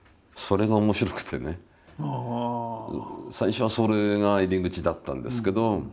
最初はそれが入り口だったんですけど。